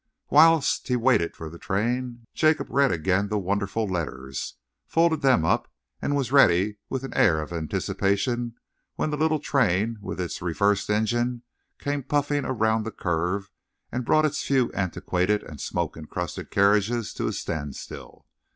Whilst he waited for the train, Jacob read again the wonderful letters, folded them up, and was ready, with an air of anticipation, when the little train with its reversed engine came puffing around the curve and brought its few antiquated and smoke encrusted carriages to a standstill.